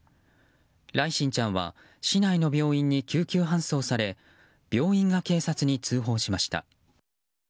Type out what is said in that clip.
來心ちゃんは市内の病院に救急搬送され病院が警察に通報しました。